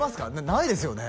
ないですよね？